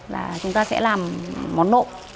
là chúng ta sẽ làm món nộm